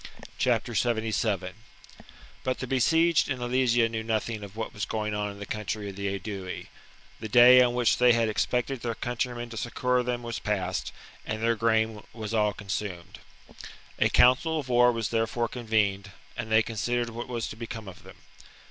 AL'^iT Cri 11' But the besieged in Alesia knew nothing proposes o^ what was going on in the country of the Aedui; cannibalism. ^^^^^^^ which they had expected ^heir country men to succour them was past ; and their grain was all consumed. A council of war was there fore convened ; and they considered what was to become of them.